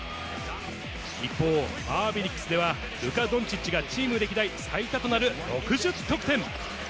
一方、マーベリックスでは、ルカ・ドンチッチがチーム歴代最多となる６０得点。